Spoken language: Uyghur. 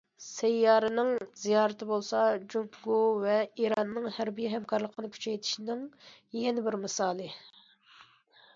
سەييارىنىڭ زىيارىتى بولسا جۇڭگو ۋە ئىراننىڭ ھەربىي ھەمكارلىقىنى كۈچەيتىشنىڭ يەنە بىر مىسالى.